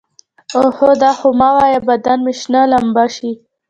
اوهو دا خو مه وايه بدن مې شنه لمبه شي.